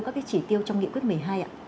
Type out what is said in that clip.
các cái chỉ tiêu trong nghị quyết một mươi hai ạ